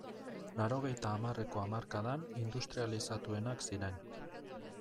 Laurogeita hamarreko hamarkadan industrializatuenak ziren.